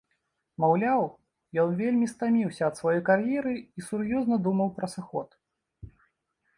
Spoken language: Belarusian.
Маўляў, ён вельмі стаміўся ад сваёй кар'еры і сур'ёзна думаў пра сыход.